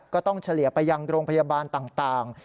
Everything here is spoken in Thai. เฉลี่ยไปยังโรงพยาบาลต่าง